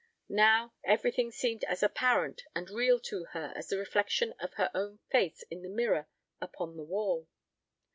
Now, everything seemed as apparent and real to her as the reflection of her own face in the mirror upon the wall.